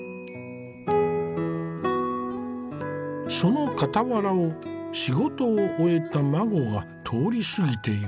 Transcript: その傍らを仕事を終えた馬子が通り過ぎていく。